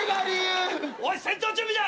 おい戦闘準備だ！